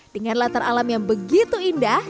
dengan latar alam yang begitu indah